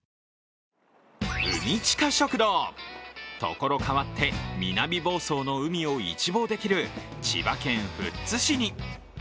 海チカ食堂、ところ変わって南房総の海を一望できる千葉県富津市に。